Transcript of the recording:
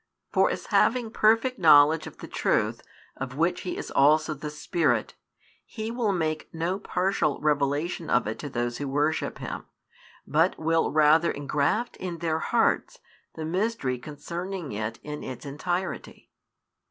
For as having perfect knowledge of the truth, of which He is also the Spirit, He will make no partial revelation of it to those who worship Him, but will rather engraft in their hearts the mystery concerning it in its entirety.